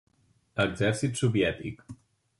Exèrcit Soviètic.